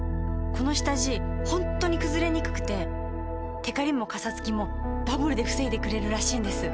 この下地ホントにくずれにくくてテカリもカサつきもダブルで防いでくれるらしいんです。